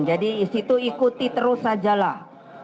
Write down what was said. jadi di situ ikuti terus sajalah